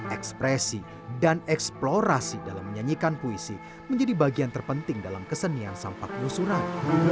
ekspresi dan eksplorasi dalam menyanyikan puisi menjadi bagian terpenting dalam kesenian sampak musuran